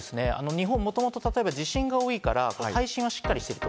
日本はもともと地震が多いから、耐震はしっかりしてると。